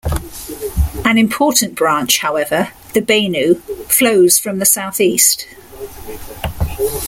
An important branch, however - the Benue-flows from the southeast.